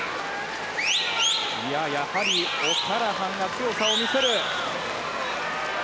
やはり、オキャラハンが強さを見せる。